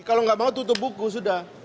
kalau nggak mau tutup buku sudah